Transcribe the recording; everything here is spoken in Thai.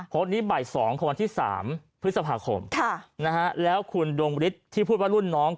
โพสต์นี้บ่าย๒ของวันที่๓พฤษภาคมแล้วคุณดวงฤทธิ์ที่พูดว่ารุ่นน้อง